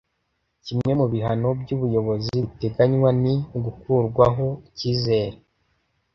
kimwe mu bihano by ubuyobozi biteganywa ni ugukurwaaho icyizere